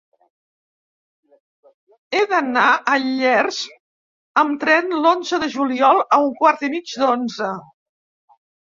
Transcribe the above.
He d'anar a Llers amb tren l'onze de juliol a un quart i mig d'onze.